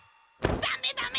ダメダメ！